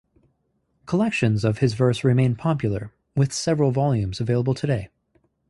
Collections of his verse remain popular, with several volumes available today.